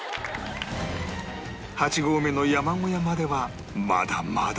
８合目の山小屋まではまだまだ